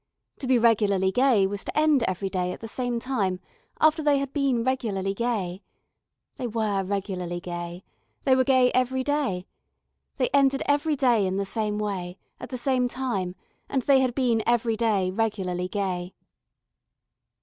To be regularly gay was to end every day at the same time after they had been regularly gay. They were regularly gay. They were gay every day. They ended every day in the same way, at the same time, and they had been every day regularly gay.